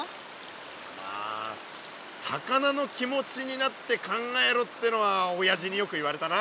まあ魚の気持ちになって考えろってのはおやじによく言われたな。